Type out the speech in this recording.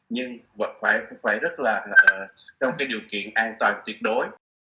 nhưng cũng phải rất là trong cái điều kiện an toàn tuyệt đối